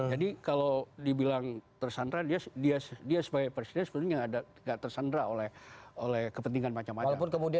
jadi kalau dibilang tersandar dia sebagai presiden sebetulnya tidak tersandar oleh kepentingan macam macam